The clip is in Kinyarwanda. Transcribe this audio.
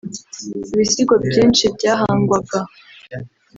Ibisigo byinshi byahangwaga